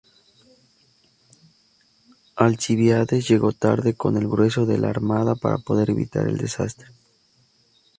Alcibíades llegó tarde con el grueso de la armada para poder evitar el desastre.